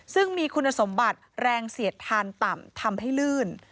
ซึ่งมีคุณสมบัติแรงเสียดทานต่ำทำให้ลื่น